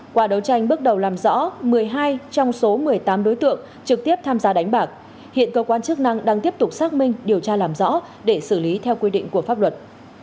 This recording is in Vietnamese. qua đấu tranh bước đầu làm rõ một mươi hai trong số một mươi tám đối tượng trực tiếp tham gia đánh bạc hiện cơ quan chức năng đang tiếp tục xác minh điều tra làm rõ để xử lý theo quy định của pháp luật